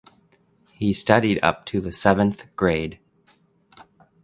He studied up to the seventh grade.